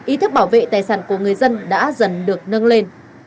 ý thức bảo vệ tài sản của người dân đã dần được nâng lên